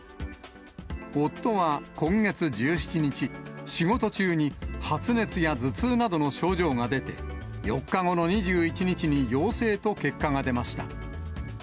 夫は今月１７日、仕事中に発熱や頭痛などの症状が出て、４日後の２１日に陽性と結果が出ました。